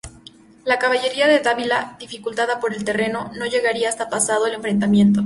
La caballería de Dávila, dificultada por el terreno, no llegaría hasta pasado el enfrentamiento.